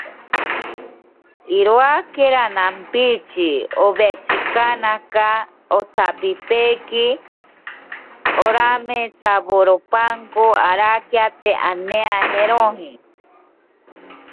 La nueva ciudad se construyó alrededor de un castillo normando, que ya no existe.